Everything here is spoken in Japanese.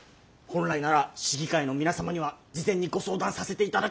本来なら市議会の皆様には事前にご相談させていただくのが筋です。